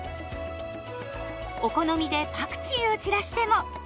お好みでパクチーを散らしても！